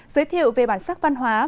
giới thiệu về bản sắc văn hóa